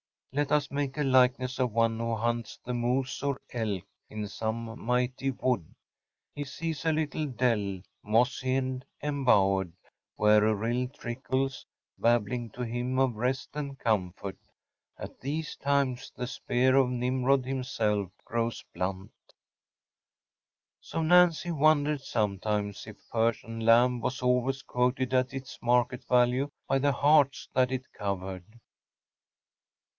‚ÄĚ Let us make a likeness of one who hunts the moose or elk in some mighty wood. He sees a little dell, mossy and embowered, where a rill trickles, babbling to him of rest and comfort. At these times the spear of Nimrod himself grows blunt. So, Nancy wondered sometimes if Persian lamb was always quoted at its market value by the hearts that it covered.